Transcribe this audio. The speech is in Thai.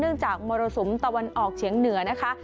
จากมรสุมตะวันออกเฉียงเหนือนะคะ